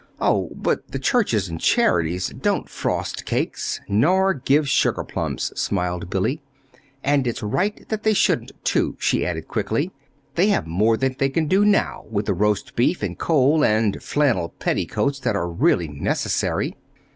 "Oh, but the churches and charities don't frost cakes nor give sugarplums," smiled Billy. "And it's right that they shouldn't, too," she added quickly. "They have more than they can do now with the roast beef and coal and flannel petticoats that are really necessary."